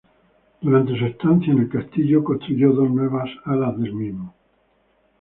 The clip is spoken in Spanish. Durante su estancia en el castillo construyó dos nuevas alas del mismo.